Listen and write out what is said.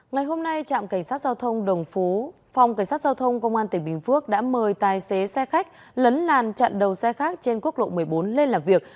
ngày hôm nay trạm cảnh sát giao thông đồng phú phòng cảnh sát giao thông công an tỉnh bình phước đã mời tài xế xe khách lấn làn chặn đầu xe khác trên quốc lộ một mươi bốn lên làm việc